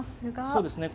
そうですね。